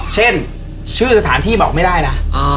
เช่นชื่อสถานที่บอกไม่ได้นะ